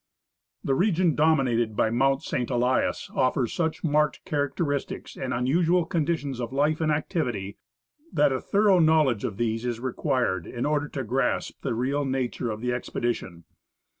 The region dominated by Mount St. Elias offers such marked characteristics and unusual conditions of life and activity, that a thorough knowledge of these is required in order to grasp the real nature of the expedition.